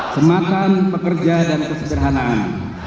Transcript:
semacam pekerja dan kesederhanaan